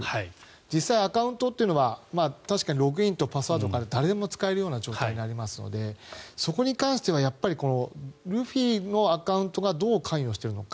実際、アカウントというのは確かにログインとパスワードがあれば誰でも使えるような状態になりますのでそこに関してはルフィのアカウントがどう関与しているのか。